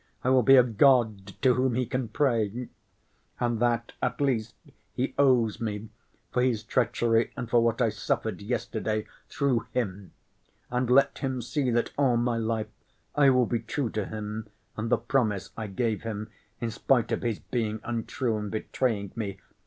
"I will be a god to whom he can pray—and that, at least, he owes me for his treachery and for what I suffered yesterday through him. And let him see that all my life I will be true to him and the promise I gave him, in spite of his being untrue and betraying me.